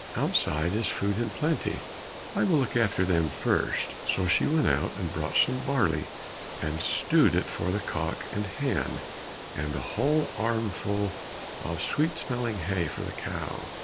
Outside is food in plenty, I will look after them first." So she went and brought some barley and stewed it for the cock and hen, and a whole armful of sweet smelling hay for the cow.